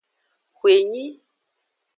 Xwenyi.